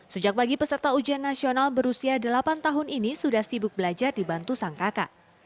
sejak bagi peserta ujian nasional berusia delapan tahun ini sudah sibuk belajar dibantu sang kakak